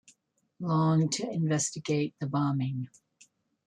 Long to investigate the bombing.